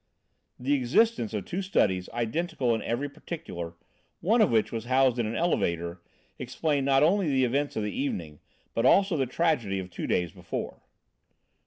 The existence of two studies identical in every particular, one of which was housed in an elevator, explained not only the events of the evening, but also the tragedy of two days before.